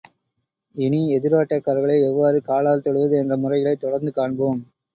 இனி, எதிராட்டக்காரர்களை எவ்வாறு காலால் தொடுவது என்ற முறைகளைத் தொடர்ந்து காண்போம்.